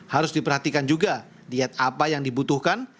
harus diperhatikan juga diet apa yang dibutuhkan